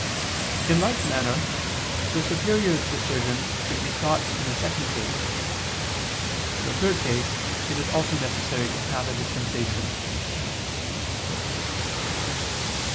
In like manner the superior's decision should be sought in the second case. In the third case it is also necessary to have a dispensation.